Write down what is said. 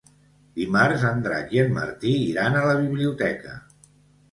Dimarts en Drac i en Martí iran a la biblioteca.